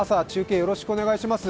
よろしくお願いします。